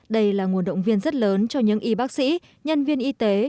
đây là nguồn động viên rất lớn cho những y bác sĩ nhân viên y tế